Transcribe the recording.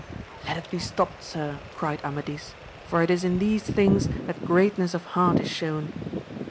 Let it be stopt, sir, cried Amadis j for it is in these things that greatness of heart is shown.